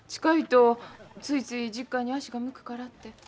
近いとついつい実家に足が向くからって。